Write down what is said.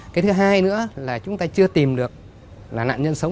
cái thứ hai nữa là chúng ta chưa tìm được là nạn nhân sống